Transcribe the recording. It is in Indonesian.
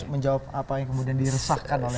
menjawab apa yang kemudian diresahkan oleh